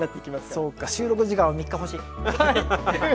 そうか収録時間を３日欲しい！